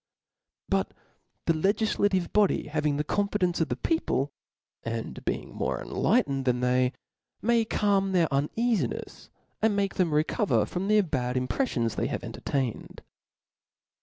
But the legiflative body having the confidence of the people, and being more enlightened than they, may calm their uneafinefs, and make them recover jrom the bad imprefiions they have entertained.